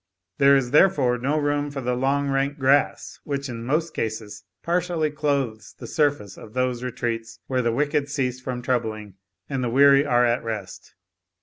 There is therefore no room for the long rank grass, which, in most cases, partially clothes the surface of those retreats where the wicked cease from troubling, and the weary are at rest.